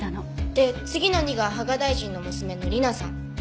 で次の２が芳賀大臣の娘の理菜さん。